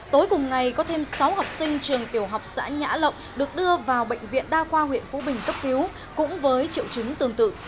tối cùng ngày có thêm sáu học sinh trường tiểu học xã nhã lộng được đưa vào bệnh viện đa khoa huyện phú bình cấp cứu cũng với triệu chứng tương tự